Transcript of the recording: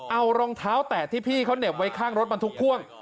เอารองเท้าแตะที่พี่เขาเหน็บไว้ข้างรถบรรทุกพ่วง